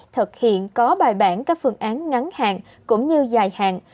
thực hiện có bài bản các phương án ngắn hạn cũng như dài hạn